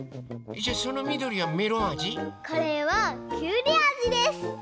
じゃあそのみどりはメロンあじ？これはきゅうりあじです！